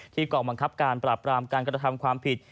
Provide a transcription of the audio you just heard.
กองบังคับการปราบรามการกระทำความผิด